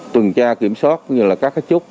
tuần tra kiểm soát như là các chốt